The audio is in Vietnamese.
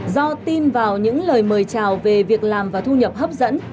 do tin vào những lời mời chào về việc làm và thu nhập hấp dẫn